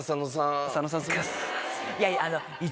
いやいやあの。